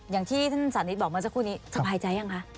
อย่างที่ท่านศาสนิทบอกเมื่อเจ้าคู่นี้สบายใจหรือยังคะ